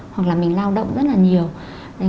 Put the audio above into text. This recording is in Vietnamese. hoặc là mình lao động rất là nhiều